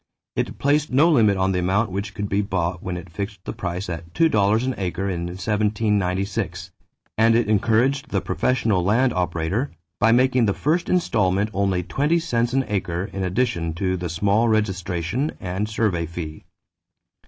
It placed no limit on the amount which could be bought when it fixed the price at $2 an acre in 1796, and it encouraged the professional land operator by making the first installment only twenty cents an acre in addition to the small registration and survey fee.